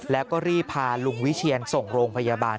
แล้วก็รีบพาลุงวิเชียนส่งโรงพยาบาล